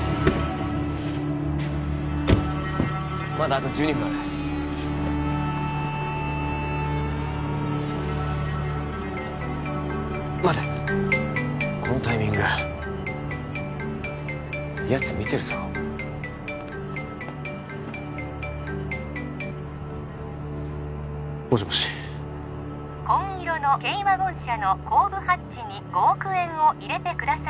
まだあと１２分ある待てこのタイミングやつ見てるぞもしもし紺色の軽ワゴン車の後部ハッチに５億円を入れてください